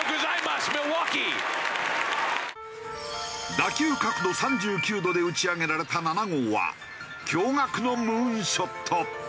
打球角度３９度で打ち上げられた７号は驚愕のムーンショット。